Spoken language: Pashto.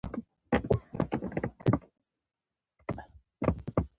زړه د باور سپینه کاغذ دی.